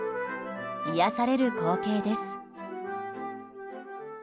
癒やされる光景です。